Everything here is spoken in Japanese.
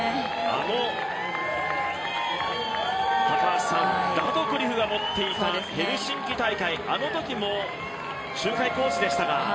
あのラドクリフが持っていたヘルシンキ大会、あのときも周回コースでしたが。